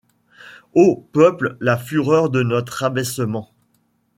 Ô peuple, la fureur de notre abaissement, -